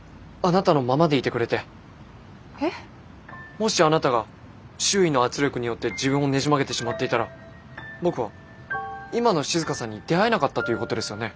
もしあなたが周囲の圧力によって自分をねじ曲げてしまっていたら僕は今の静さんに出会えなかったということですよね。